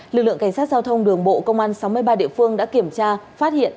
lực lượng cảnh sát giao thông đường bộ công an sáu mươi ba địa phương đã kiểm tra phát hiện